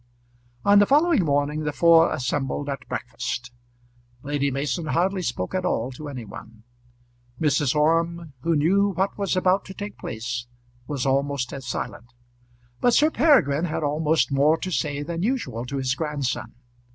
On the following morning the four assembled at breakfast. Lady Mason hardly spoke at all to any one. Mrs. Orme, who knew what was about to take place, was almost as silent; but Sir Peregrine had almost more to say than usual to his grandson.